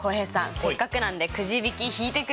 せっかくなんでくじびき引いてくださいよ！